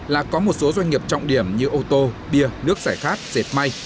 là có một số doanh nghiệp trọng điểm như ô tô bia nước giải khát dệt may